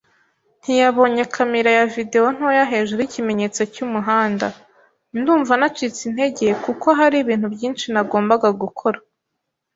Ntiyabonye kamera ya videwo ntoya hejuru yikimenyetso cyumuhanda. Ndumva nacitse intege kuko hari ibintu byinshi nagombaga gukora.